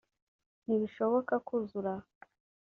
Ntibishoboka kuzura aha